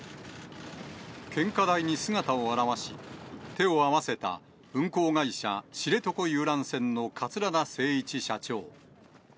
献花台に姿を現し、手を合わせた運航会社、知床遊覧船の桂田精一社長。